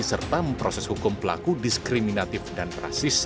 serta memproses hukum pelaku diskriminatif dan rasis